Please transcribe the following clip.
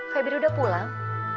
febrir udah pulang